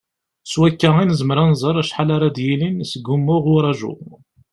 S wakka i nezmer ad nẓer acḥal ara d-yalin seg wumuɣ n uraju.